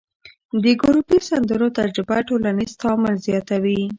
د ګروپي سندرو تجربه ټولنیز تعامل زیاتوي.